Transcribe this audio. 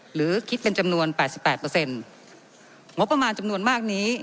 หรือคิดเป็นจำนวน๘๘งบประมาณจำนวนมากนี้